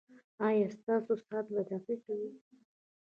ایا ستاسو ساعت به دقیق وي؟